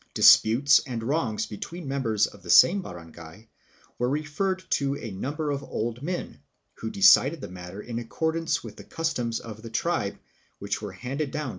Disputes and wrongs between members of the same barangay were referred to a number of old men, who decided the matter in accord ance with the customs of the tribe, which were handed down by tradition.